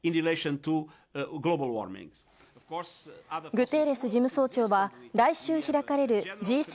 グテーレス事務総長は来週開かれるＧ７・